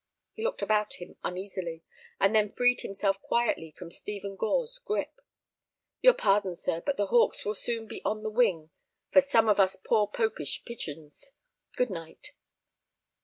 He looked about him uneasily, and then freed himself quietly from Stephen Gore's grip. "Your pardon, sir, but the hawks will soon be on the wing for some of us poor popish pigeons. Good night."